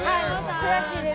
悔しいです。